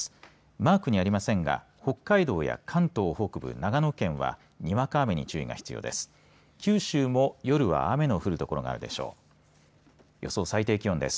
マークにありませんが北海道や関東北部、長野県はにわか雨に注意が必要です。